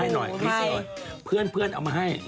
ต่างตัวคุณนายมากล่ะ